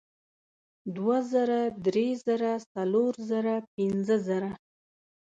دوه زره درې زره څلور زره پینځه زره